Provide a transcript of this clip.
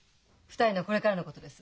２人のこれからのことです。